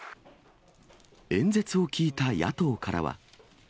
演説を聞いた野党からは。